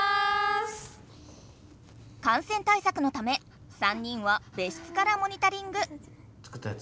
感染対策のため３人は別室からモニタリング。